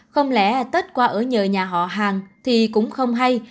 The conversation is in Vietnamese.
không lẽ tết qua ở nhờ nhà họ hàng thì cũng không hay